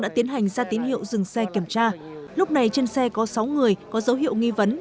đã tiến hành ra tín hiệu dừng xe kiểm tra lúc này trên xe có sáu người có dấu hiệu nghi vấn